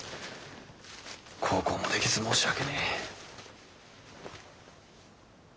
孝行もできず申し訳ねぇ。